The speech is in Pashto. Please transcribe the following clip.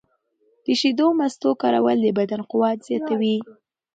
د شیدو او مستو کارول د بدن قوت زیاتوي.